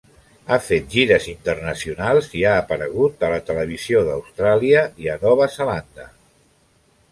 Ha fet gires internacionals i ha aparegut a la televisió d'Austràlia i a Nova Zelanda.